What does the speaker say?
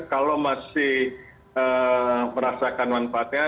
kalau masih merasakan manfaatnya